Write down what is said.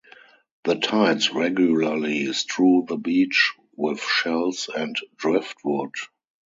The tides regularly strew the beach with shells and driftwood.